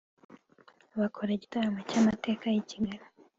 bakora igitaramo cy'amateka i Kigali